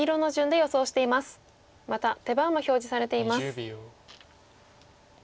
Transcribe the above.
また手番も表示されています。